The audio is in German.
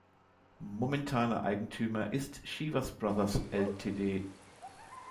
Momentaner Eigentümer ist Chivas Brothers Ltd.